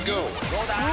どうだ？